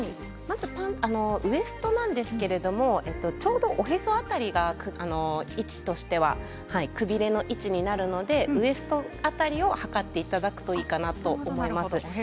ウエストなんですけどちょうどおへそ辺りが位置としてはくびれの位置になるのでウエスト辺りを測っていただくといいかなと思います。